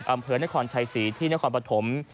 อำเภอนครชัยศรีที่นครปฐม